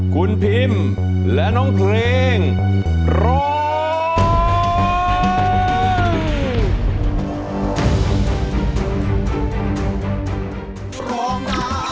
คุณพิมและน้องเพลงร้อง